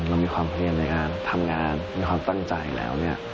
เรามีความพยายามในการทำงานมีความตั้งใจแล้ว